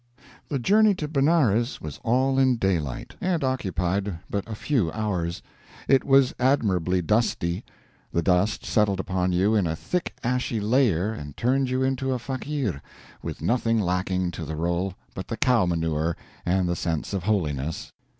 The journey to Benares was all in daylight, and occupied but a few hours. It was admirably dusty. The dust settled upon you in a thick ashy layer and turned you into a fakeer, with nothing lacking to the role but the cow manure and the sense of holiness.